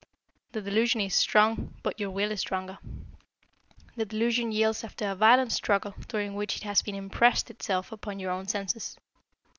The delusion is strong, but your will is stronger. The delusion yields after a violent struggle during which it has even impressed itself upon your own senses.